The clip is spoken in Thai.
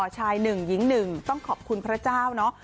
ชาย๑หญิง๑ต้องขอบคุณพระเจ้าเนอะ